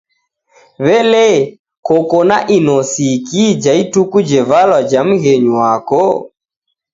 W'ele, koko na inosiki ja ituku jevalwa ja mghenyu wako?